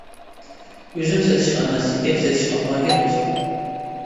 ئۈزۈم سېتىشقا ئەمەس، گەپ سېتىشقا ماھىر دوستۇم!